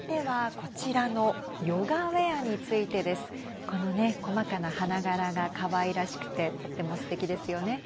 このね細かな花柄がかわいらしくてとってもすてきですよね。